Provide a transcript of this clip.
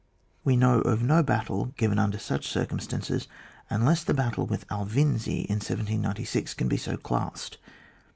We know of no battle given under such circumstances unless the battle with Alvinzi in 1796 can be so classed.